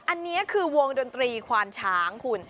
อันนี้คือวงดนตรีควานช้างคุณ